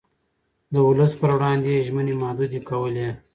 د ولس پر وړاندې يې ژمنې محدودې کولې.